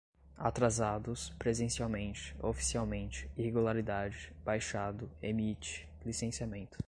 atrasados, presencialmente, oficialmente, irregularidade, baixado, emite, licenciamento